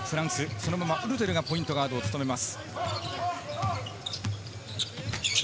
そのままウルテルがポイントガードを務めます。